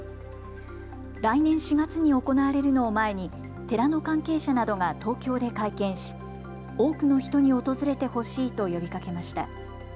来年４月に行われるのを前に寺の関係者などが東京で会見し多くの人に訪れてほしいと呼びかけました。